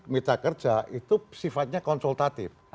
mita kerja itu sifatnya konsultatif